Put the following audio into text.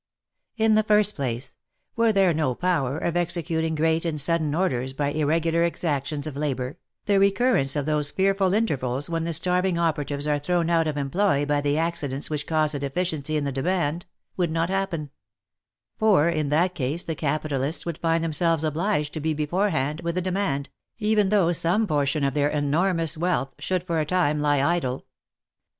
In the first place, were there no power of executing great and sudden orders by irregular exactions of labour, the recurrence of those fearful intervals when the starving operatives are thrown out of employ by the accidents which cause a deficiency in the demand, would not happen — for in that case the capitalists would find themselves obliged to be beforehand with the de mand, even though some portion of their enormous wealth should for a time lie idle.